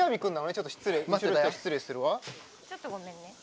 ちょっとごめんね。